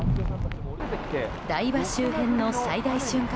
台場周辺の最大瞬間